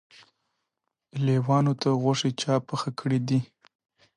لېوانو ته غوښې چا پخې کړی دي.